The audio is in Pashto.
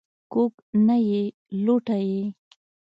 کوږ نه یې لوټه یې.